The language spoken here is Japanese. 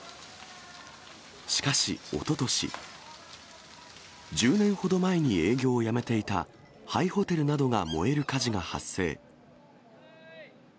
しかしおととし、１０年ほど前に営業をやめていた廃ホテルなどが燃える火事が発生。